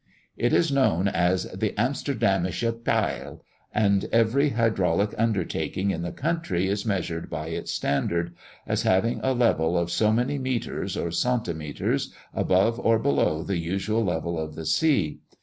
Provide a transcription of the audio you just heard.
It is known as the 'Amsterdamsche Peil,' and every hydraulic undertaking in the country is measured by its standard, as having a level of so many mètres or centimètres above or below the usual level of the sea.